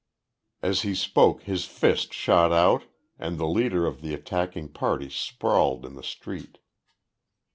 As he spoke his fist shot out and the leader of the attacking party sprawled in the street.